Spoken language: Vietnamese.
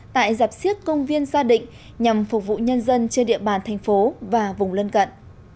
tại giạp siếc công viên gia định nhằm phục vụ nhân dân trên địa bàn thành phố và vùng lân cận